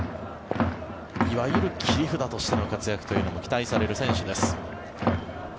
いわゆる切り札としての活躍というのが期待される選手です。